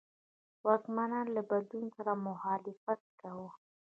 واکمنان له بدلون سره مخالفت کاوه.